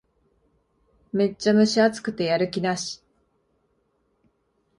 めっちゃ蒸し暑くてやる気なし